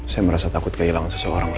saya merasa takut kehilangan seseorang